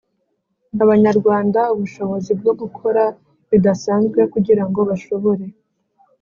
Abanyarwanda ubushobozi bwo gukora bidasanzwe kugira ngo bashobore